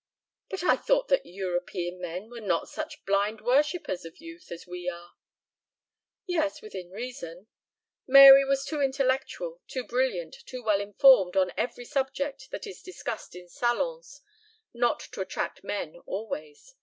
"But I thought that European men were not such blind worshippers of youth as we are?" "Yes, within reason. Mary was too intellectual, too brilliant, too well informed on every subject that is discussed in salons, not to attract men always.